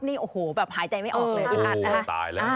อันนี้โอ้โหแบบหายใจไม่ออกเลย